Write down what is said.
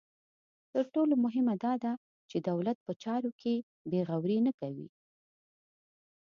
تر ټولو مهمه دا ده چې دولت په چارو کې بې غوري نه کوي.